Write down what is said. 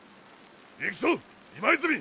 行くぞ今泉！